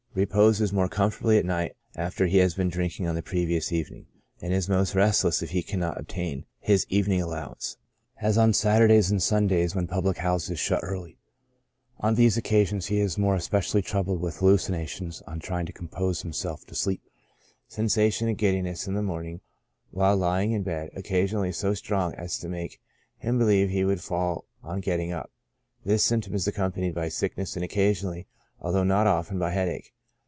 Reposes more comfortably at night after he has been drinking on the previous evening, and is most restless if he cannot obtain his evening allowance, as on Saturdays and Sundays, when public houses shut early. On these occa 3 34 CHRONIC ALCOHOLISM. sions he is more especially troubled with hallucinations on trying to compose himself to sleep. Sensation of giddiness in the morning while lying in bed, occasionally so strong as to makis him believe he would fall on getting up. This symptom is accompanied by sickness, and occasionally, although not often, by headache.